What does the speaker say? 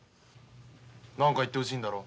何か言ってほしいんだろ？